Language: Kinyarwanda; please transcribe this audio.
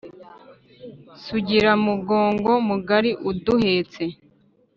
sugira mugongo mugari uduhetse